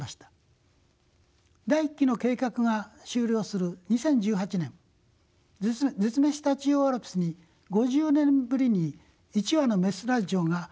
第一期の計画が終了する２０１８年絶滅した中央アルプスに５０年ぶりに１羽の雌ライチョウが飛来しました。